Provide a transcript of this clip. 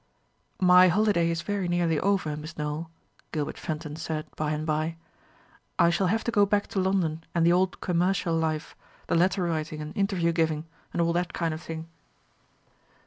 "My holiday is very nearly over, Miss Nowell," Gilbert Fenton said by and by. "I shall have to go back to London and the old commercial life, the letter writing and interview giving, and all that kind of thing."